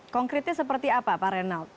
konkretnya seperti apa pak reynald